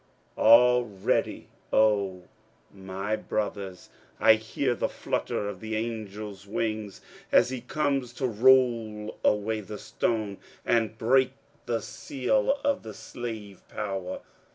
Already, oh, my brothers. ILLUSIONS OF THE TIMES 241 I bear the flutter of the Angel's wing as he comes to roll away the stone and break the seal of the Slave Power."